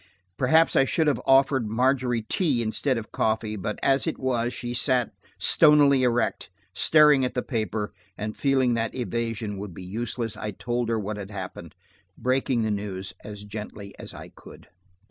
Perhaps I should have offered Margery tea instead of coffee. But as it was, she sat, stonily erect, staring at the paper, and feeling that evasion would be useless, I told her what had happened, breaking the news as gently as I could.